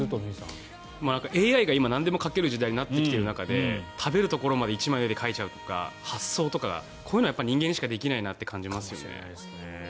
ＡＩが今、なんでも描ける時代になってきてる中で食べるところまで１枚で描けちゃうとかその発想とかこういうのはやっぱり人間にしかできないなと感じますね。